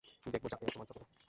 দেখব যাতে তোমার যত্ন নেয়।